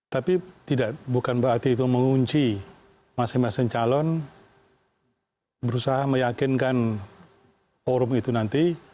tapi bukan berarti itu mengunci masing masing calon berusaha meyakinkan forum itu nanti